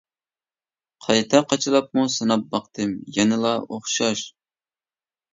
قايتا قاچىلاپمۇ سىناپ باقتىم، يەنىلا ئوخشاش.